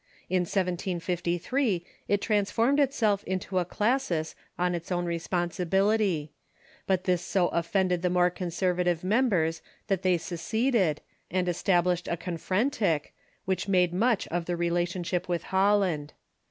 In 1 753 it transformed itself into a classis on its own responsibility ; but this so offended the more conservative members that they seceded, and estab lished a conferentie, which made much of the relationship Avith Holland.